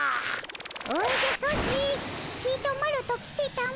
おじゃソチちとマロと来てたも。